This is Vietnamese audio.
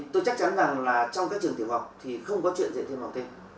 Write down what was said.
tôi chắc chắn rằng là trong các trường tiểu học thì không có chuyện dạy thêm học thêm